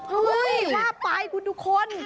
ลาบไปคุณทุกคน